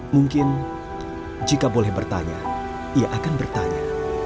mungkin jika boleh bertanya ia akan bertanya